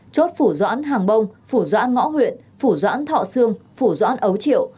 chốt phủ doãn hàng bông phủ doãn ngõ huyện phủ doãn thọ sương phủ doãn ấu triệu